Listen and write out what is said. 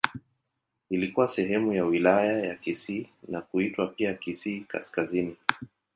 Ilikuwa sehemu ya Wilaya ya Kisii na kuitwa pia Kisii Kaskazini.